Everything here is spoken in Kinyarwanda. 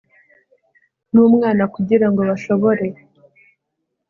n umwana kugirango bashobore